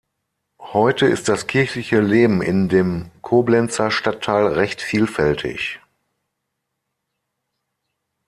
Heute ist das kirchliche Leben in dem Koblenzer Stadtteil recht vielfältig.